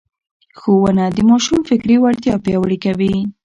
ښوونه د ماشوم فکري وړتیا پياوړې کوي.